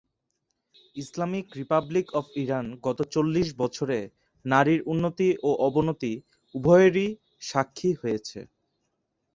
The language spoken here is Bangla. ইসলামিক রিপাবলিক অফ ইরান গত চল্লিশ বছরে নারীর উন্নতি এবং অবনতি উভয়েরই স্বাক্ষী হয়েছে।